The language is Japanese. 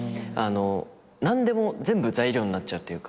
何でも全部材料になっちゃうっていうか。